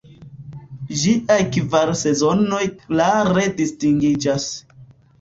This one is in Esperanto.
Ĝiaj kvar sezonoj klare distingiĝas.